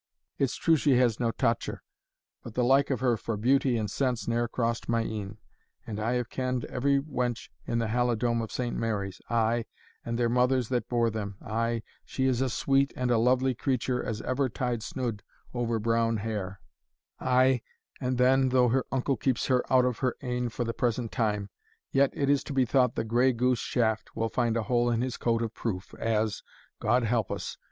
It's true she has no tocher, but the like of her for beauty and sense ne'er crossed my een; and I have kend every wench in the Halidome of St. Mary's ay, and their mothers that bore them ay, she is a sweet and a lovely creature as ever tied snood over brown hair ay, and then, though her uncle keeps her out of her ain for the present time, yet it is to be thought the gray goose shaft will find a hole in his coat of proof, as, God help us!